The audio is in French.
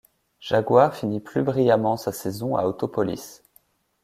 Jaguar finit plus brillamment sa saison à Autopolis.